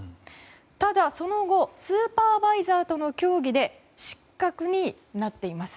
ただ、その後スーパーバイザーとの協議で失格になっています。